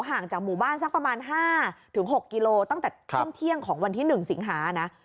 ห่างจากหมู่บ้านสักประมาณ๕๖กิโลตั้งแต่ช่วงเที่ยงของวันที่๑สิงหานะ